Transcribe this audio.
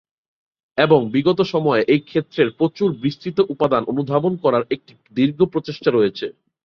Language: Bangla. এবং বিগত সময়ে এই ক্ষেত্রের প্রচুর বিস্তৃত উপাদান অনুধাবন করার একটি দীর্ঘ প্রচেষ্টা রয়েছে।